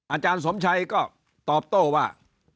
อาจารย์สมชัยก็ตอบโต้ว่า